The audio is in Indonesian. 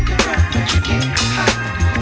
saya udah cantik sih ralph